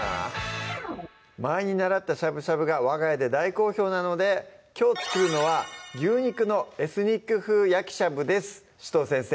前に習ったしゃぶしゃぶがわが家で大好評なのできょう作るのは「牛肉のエスニック風焼きしゃぶ」です紫藤先生